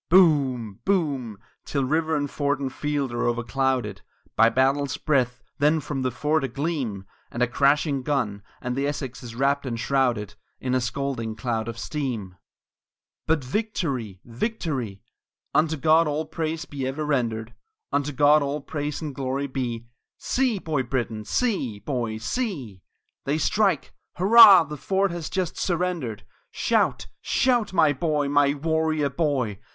III Boom! Boom! till river and fort and field are overclouded By battle's breath; then from the fort a gleam And a crashing gun, and the Essex is wrapt and shrouded In a scalding cloud of steam! IV But victory! victory! Unto God all praise be ever rendered, Unto God all praise and glory be! See, Boy Brittan! see, boy, see! They strike! Hurrah! the fort has just surrendered! Shout! Shout! my boy, my warrior boy!